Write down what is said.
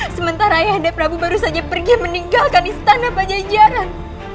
sementara ayah dan prabu baru saja pergi meninggalkan istana pajajaran